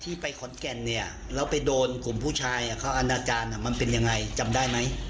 ไปขอนแก่นเนี่ยแล้วไปโดนกลุ่มผู้ชายเขาอนาจารย์มันเป็นยังไงจำได้ไหม